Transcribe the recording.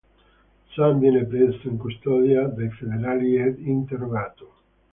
Sam viene preso in custodia dai Federali ed interrogato.